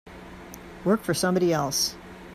Work for somebody else.